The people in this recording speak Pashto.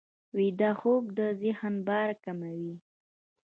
ویده خوب د ذهن بار کموي